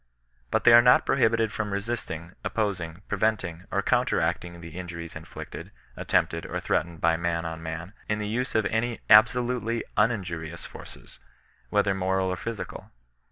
But they are not prohibited from resisting, op posing^ preventing, or counteracting the injuries inflicted, attempted, or threatened by man on man, in the use of JUiy ataolutely uninjurious forces, whether moral or phy cdoJ.